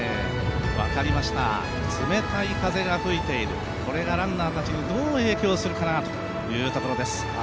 冷たい風が吹いているこれがランナーたちにどう影響するかなというところです。